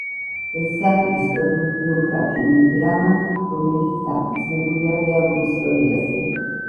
ესაა ისტორიულ-ბიოგრაფიული დრამა, რომელიც დაფუძნებულია რეალურ ისტორიაზე.